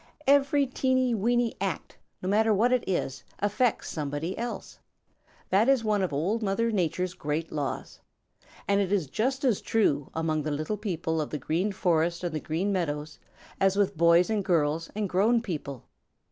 Every teeny, weeny act, no matter what it is, affects somebody else. That is one of Old Mother Nature's great laws. And it is just as true among the little people of the Green Forest and the Green Meadows as with boys and girls and grown people.